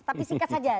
tapi singkat saja